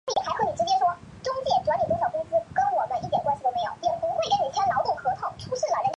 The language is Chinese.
这么懒惰的媳妇